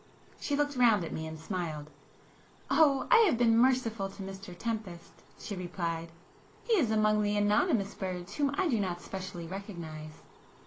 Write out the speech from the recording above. She looked round at me and smiled. "Oh, I have been merciful to Mr Tempest,"—she replied; "He is among the anonymous birds whom I do not specially recognise!"